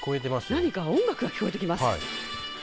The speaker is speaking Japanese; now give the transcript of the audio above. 何か音楽が聞こえてきます。